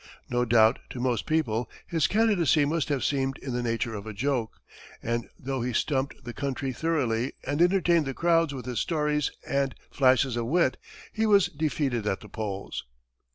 No doubt to most people, his candidacy must have seemed in the nature of a joke, and though he stumped the county thoroughly and entertained the crowds with his stories and flashes of wit, he was defeated at the polls.